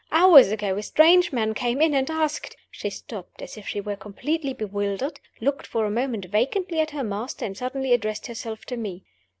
Hours ago, a strange man came in and asked" she stopped, as if she were completely bewildered looked for a moment vacantly at her master and suddenly addressed herself to me.